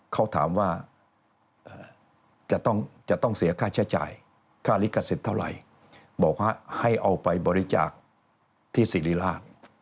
เขาถามว่าจะต้องเสียค่าใช้จ่ายค่าลิขสิทธิ์เท่าไหร่บอกว่าให้เอาไปบริจาคที่สิริราช